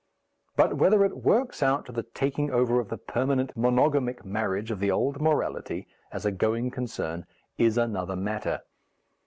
But whether it works out to the taking over of the permanent monogamic marriage of the old morality, as a going concern, is another matter.